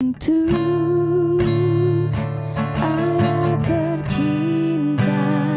untuk ayah tercinta